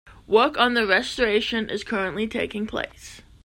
Work on the restoration is currently taking place.